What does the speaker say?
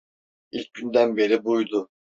İlk günden beri buydu.